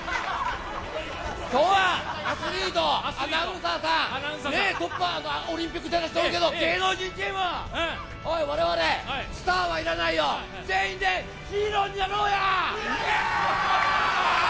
今日はアスリート、アナウンサーさん、オリンピック出た人おるけど芸能人チームは、我々スターは要らないよ、全員でヒーローになろうや！